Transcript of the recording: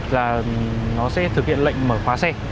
là nó sẽ thực hiện lệnh mở khóa xe